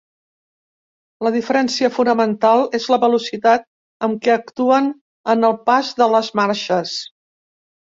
La diferència fonamental és la velocitat amb què actuen en el pas de les marxes.